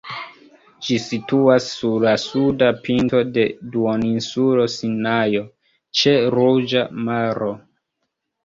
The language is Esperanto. Ĝi situas sur la suda pinto de duoninsulo Sinajo, ĉe Ruĝa Maro.